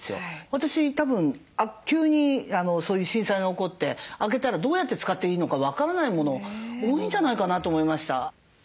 私たぶん急にそういう震災が起こって開けたらどうやって使っていいのか分からないもの多いんじゃないかなと思いました。